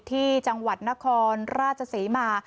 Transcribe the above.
ที่จังหวัดนครราชศรีมา